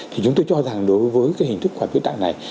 thì chúng tôi cho rằng đối với cái hình thức quả biểu tạng này